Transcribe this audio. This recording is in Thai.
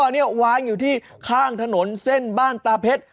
อันนี้วางอยู่ที่ข้างถนนเส้นบ้านตาเพชร